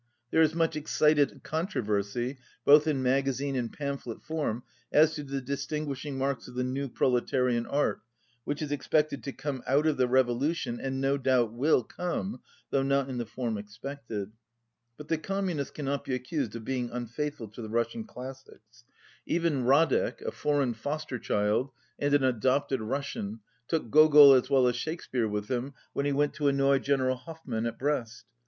There is much excited controversy both in magazine and pamphlet form as to the distifi guishing marks of the new proletarian art which is expected to come out of the revolution and no doubt will come, though not in the form ex pected. But the Communists cannot be accused of being unfaithful to the Russian classics. Even 185 Radek, a foreign fosterchild and an adopted Rus sian, took Gogol as well as Shakespeare with him when he went to annoy General Hoffmann at Brest.